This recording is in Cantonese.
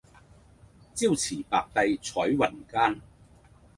朝辭白帝彩雲間